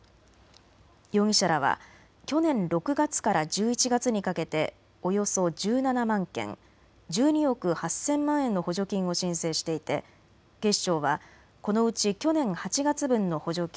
容疑者らは去年６月から１１月にかけておよそ１７万件、１２億８０００万円の補助金を申請していて警視庁はこのうち去年８月分の補助金